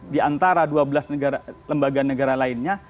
di antara dua belas lembaga negara lainnya